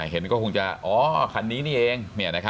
เห็นก็คงจะอ๋อคันนี้นี่เอง